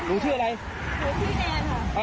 จังห์โอ๊ยดีเลยนะฮะ